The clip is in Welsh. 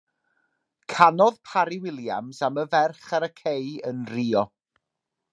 Canodd Parry-Williams am y ferch ar y cei yn Rio.